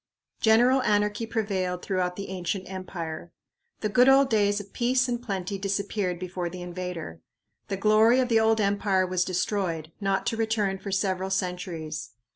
General anarchy prevailed throughout the ancient empire. The good old days of peace and plenty disappeared before the invader. The glory of the old empire was destroyed, not to return for several centuries.